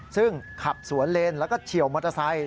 ซึ่งขับสวนเลนแล้วก็เฉียวมอเตอร์ไซค